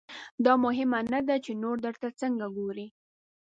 دا مهمه نه ده چې نور درته څنګه ګوري.